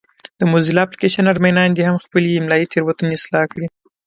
د موزیلا اپلېکشن اډمینان دې هم خپلې املایي تېروتنې اصلاح کړي.